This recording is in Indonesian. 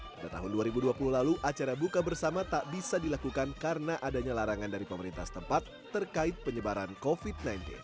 pada tahun dua ribu dua puluh lalu acara buka bersama tak bisa dilakukan karena adanya larangan dari pemerintah setempat terkait penyebaran covid sembilan belas